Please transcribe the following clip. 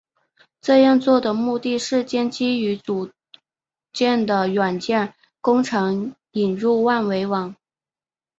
这样做的目的是将基于组件的软件工程引入万维网。